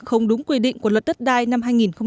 không đúng quy định của luật đất đai năm hai nghìn một mươi ba